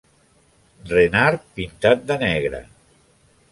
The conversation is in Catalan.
Renard pintat de negre.